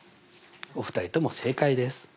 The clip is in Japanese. お二人とも正解です。